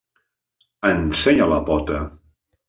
Ensenyar la pota.